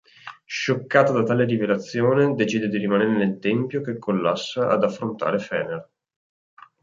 Scioccata da tale rivelazione, decide di rimanere nel tempio che collassa ad affrontare Fener.